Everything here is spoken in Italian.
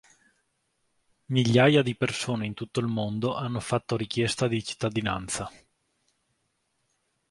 Migliaia di persone in tutto il mondo hanno fatto richiesta di cittadinanza.